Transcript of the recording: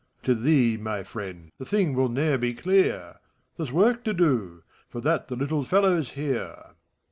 To thee, my friend, the thing will ne'er be clear : There's work to do : for that the little fellow's here.